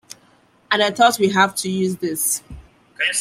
And I thought, we have to use this.